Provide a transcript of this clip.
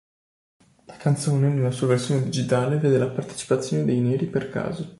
La canzone, nella sua versione digitale, vede la partecipazione dei Neri per Caso.